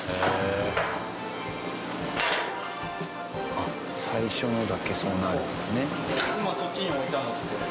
あっ最初のだけそうなるからね。